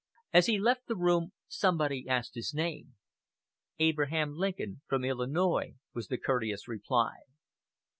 As he left the room somebody asked his name. "Abraham Lincoln, from Illinois," was the courteous reply.